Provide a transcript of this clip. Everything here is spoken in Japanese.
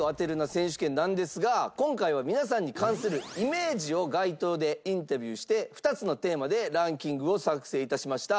選手権なんですが今回は皆さんに関するイメージを街頭でインタビューして２つのテーマでランキングを作成致しました。